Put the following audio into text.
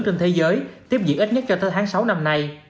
trên thế giới tiếp diễn ít nhất cho tới tháng sáu năm nay